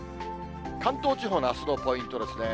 関東地方のあすのポイントですね。